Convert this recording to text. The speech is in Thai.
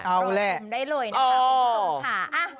รู้ถึงได้เลยนะคุณผู้ชมค่ะ